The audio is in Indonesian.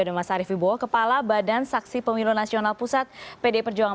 ada mas arief wibowo kepala badan saksi pemilu nasional pusat pd perjuangan